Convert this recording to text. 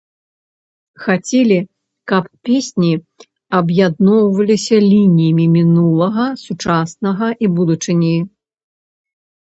Хацелі, каб песні аб'ядноўваліся лініямі мінулага, сучаснага і будучыні.